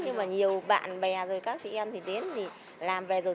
nhưng mà nhiều bạn bè rồi các chị em thì đến thì làm về rồi